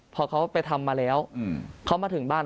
พอเขาไปทำมาแล้วเขามาถึงบ้าน